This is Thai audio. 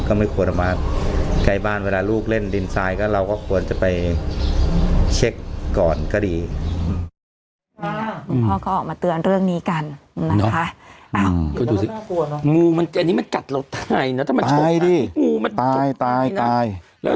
ก็ไม่ควรเอามากไกลบ้านเวลาลูกเล่นดินทราย